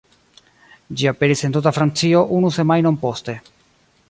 Ĝi aperis en tuta Francio unu semajnon poste.